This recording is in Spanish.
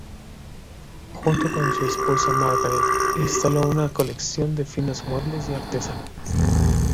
Junto con su esposa Margaret, instaló una colección de finos muebles y artesanías.